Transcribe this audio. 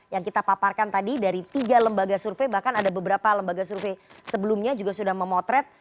yang kita paparkan tadi dari tiga lembaga survei bahkan ada beberapa lembaga survei sebelumnya juga sudah memotret